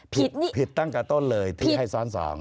ผิดนี่ผิดตั้งกับต้นเลยที่ให้ซ้อนสอง